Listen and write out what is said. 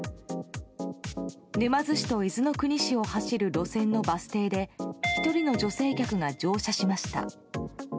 沼津市と伊豆の国市を走る路線のバス停で１人の女性客が乗車しました。